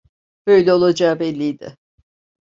Böyle olacağı belliydi.